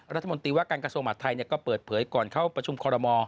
รัฐมนตรีว่าการกระทรวงมหาดไทยก็เปิดเผยก่อนเข้าประชุมคอรมอล